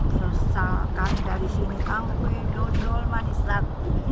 misalkan dari sini angkwe dodol manisrat